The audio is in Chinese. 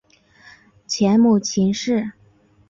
前母秦氏。